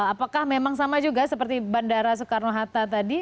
apakah memang sama juga seperti bandara soekarno hatta tadi